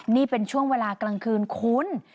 นี่เป็นช่วงเวลากลางคืนคุ้น